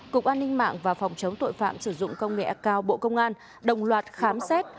cục an ninh mạng và phòng chống tội phạm sử dụng công nghệ cao bộ công an đồng loạt khám xét